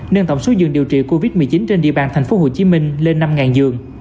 nâng tổng số dường điều trị covid một mươi chín trên địa bàn thành phố hồ chí minh lên năm dường